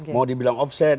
mau dibilang offside